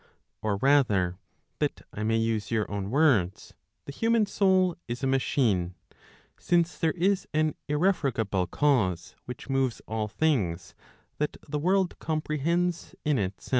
Or rather, that I may use your own words, the human soul is a machine, since there is an irrefragable cause which moves all things that the world comprehends in itself.